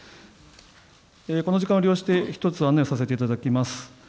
この時間を利用して１つ案内をさせていただきます。